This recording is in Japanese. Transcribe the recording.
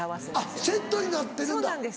あっセットになってるんだ。